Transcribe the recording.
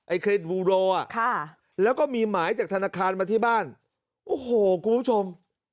เครดวูโรอ่ะค่ะแล้วก็มีหมายจากธนาคารมาที่บ้านโอ้โหคุณผู้ชม